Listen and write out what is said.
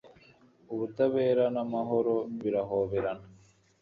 ubutabera n'amahoro birahoberana